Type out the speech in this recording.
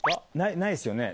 ないですよね。